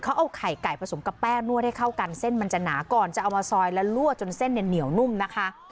เขาเอาไข่ไก่ผสมกับแป้งนวดให้เข้ากันเส้นมันจะหนาก่อนจะเอามาซอยและลั่วจนเส้นเนี่ยเหนียวนุ่มนะคะ